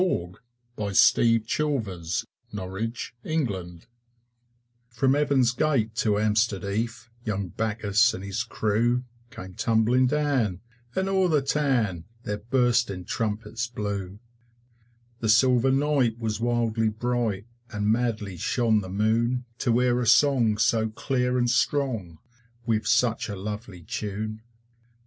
THE BALLAD OF HAMPSTEAD HEATH From Heaven's Gate to Hampstead Heath Young Bacchus and his crew Came tumbling down, and o'er the town Their bursting trumpets blew. The silver night was wildly bright, And madly shone the Moon To hear a song so clear and strong, With such a lovely tune.